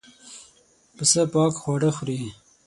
پسه پاک خواړه خوري.